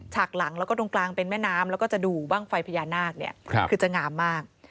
กหลังแล้วก็ตรงกลางเป็นแม่น้ำแล้วก็จะดูบ้างไฟพญานาคเนี่ยคือจะงามมาก